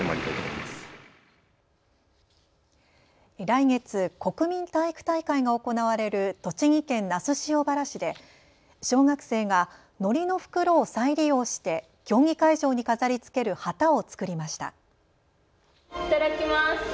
来月、国民体育大会が行われる栃木県那須塩原市で小学生が、のりの袋を再利用して競技会場に飾りつける旗を作りました。